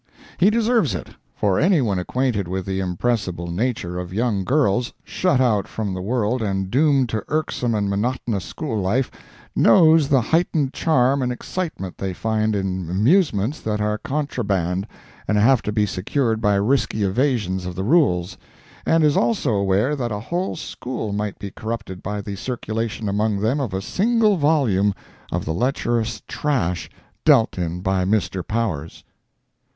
He deserves it, for any one acquainted with the impressible nature of young girls, shut out from the world and doomed to irksome and monotonous school life, knows the heightened charm and excitement they find in amusements that are contraband and have to be secured by risky evasions of the rules, and is also aware that a whole school might be corrupted by the circulation among them of a single volume of the lecherous trash dealt in by Mr. Powers.